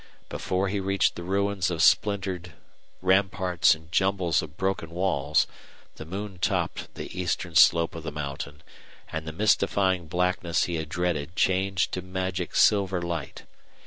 Before he reached the ruins of splintered ramparts and jumbles of broken walls the moon topped the eastern slope of the mountain, and the mystifying blackness he had dreaded changed to magic silver light.